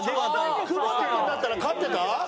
久保田君だったら勝ってた？